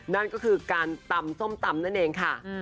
นั่นก็คือการตำส้มตำนั่นเองค่ะ